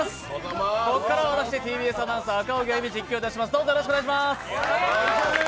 ここからは私ＴＢＳアナウンサー・赤荻歩が実況いたします。